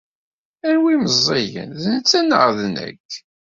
Anwa ay meẓẓiyen, d netta neɣ d nekk?